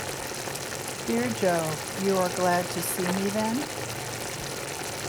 Dear Jo, you are glad to see me, then?